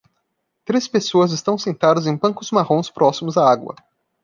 Três pessoas estão sentadas em bancos marrons próximos à água.